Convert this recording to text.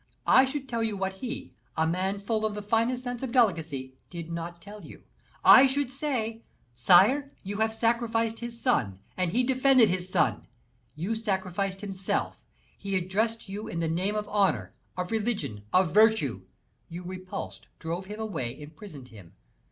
I should tell you what he, a man full of the finest sense of delicacy, did not tell you; I should say 'Sire, you have sacrificed his son, and he defended his son you sacrificed himself; he addressed you in the name of honor, of religion, of virtue you repulsed, drove him away, imprisoned him.